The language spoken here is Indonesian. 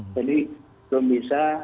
jadi belum bisa